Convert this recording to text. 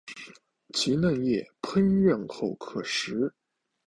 其嫩叶烹饪后可食。